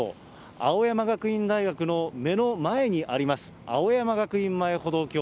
青山学院大学の目の前にあります、青山学院前歩道橋。